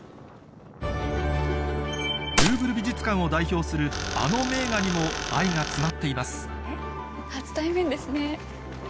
ルーヴル美術館を代表するあの名画にも愛が詰まっています初対面ですね。